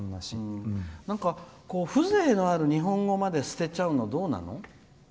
風情のある日本語まで捨てちゃうのはどうなの？